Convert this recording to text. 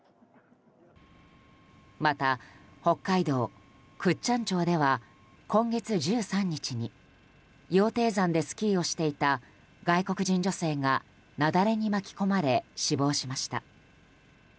また、北海道倶知安町では今月１３日に羊蹄山でスキーをしていた外国人女性が雪崩に巻き込まれ死亡しました。